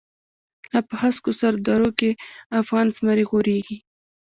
لا په هسکو سر درو کی، افغانی زمری غوریږی